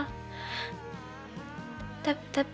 semua penjelasan kamu begitu masuk akal